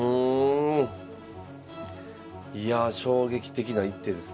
いや衝撃的な一手ですね